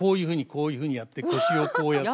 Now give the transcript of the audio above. こういうふうにやって腰をこうやって。